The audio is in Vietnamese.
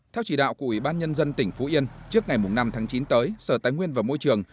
theo chỉ đạo của ủy ban nhân dân tỉnh phú yên trước ngày năm tháng chín tới sở tài nguyên và môi trường